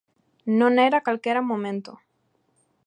Non era calquera momento.